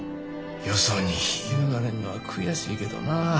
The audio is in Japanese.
よそに引き抜かれんのは悔しいけどな。